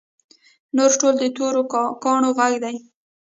نور ټول د تورو کاڼو غر شي.